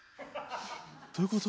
どういうこと？